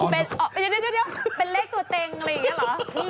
อ๋อเดี๋ยวเป็นเลขตัวเต็งอะไรอย่างนี้เหรอ